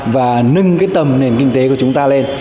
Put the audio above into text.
và nâng cái tầm nền kinh tế